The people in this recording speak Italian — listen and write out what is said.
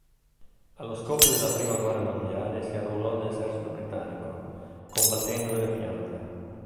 Allo scoppio della prima guerra mondiale si arruolò nell'esercito britannico combattendo nelle Fiandre.